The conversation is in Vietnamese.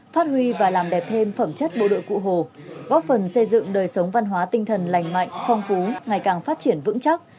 phát huy và làm đẹp thêm phẩm chất bộ đội cụ hồ góp phần xây dựng đời sống văn hóa tinh thần lành mạnh phong phú ngày càng phát triển vững chắc